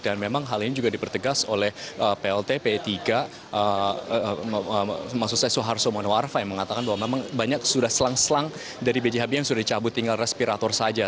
dan memang hal ini juga dipertegas oleh plt pe tiga maksud saya soeharto manowarfa yang mengatakan bahwa memang banyak sudah selang selang dari b j habibie yang sudah dicabut tinggal respirator saja